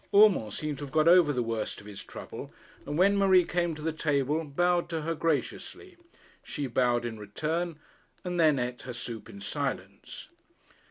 Urmand seemed to have got over the worst of his trouble, and when Marie came to the table bowed to her graciously. She bowed in return, and then eat her soup in silence.